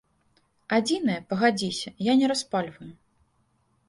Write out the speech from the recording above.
Адзінае, пагадзіся, я не распальваю.